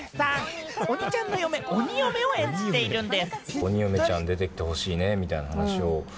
鬼ちゃんの嫁・鬼嫁を演じているんです。